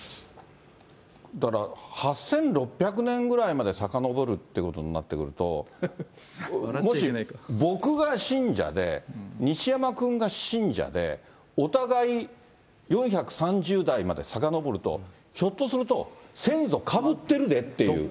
だから８６００年ぐらいまでさかのぼるってことになってくると、もし、僕が信者で、西山君が信者で、お互い、４３０代までさかのぼると、ひょっとすると、先祖かぶってるでっていう。